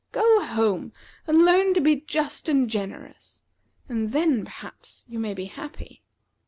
Go home and learn to be just and generous; and then, perhaps, you may be happy.